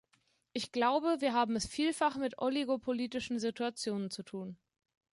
Ich glaube, wir haben es vielfach mit oligopolistischen Situationen zu tun.